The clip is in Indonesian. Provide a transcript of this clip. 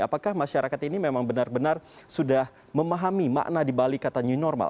apakah masyarakat ini memang benar benar sudah memahami makna dibalik kata new normal